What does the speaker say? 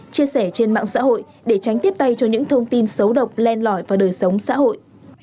chia sẻ trên mạng xã hội để tránh tiếp tay cho những thông tin xấu độc len lỏi vào đời sống xã hội